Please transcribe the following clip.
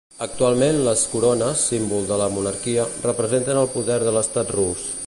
Actualment les corones, símbol de la monarquia, representen el poder de l'Estat rus.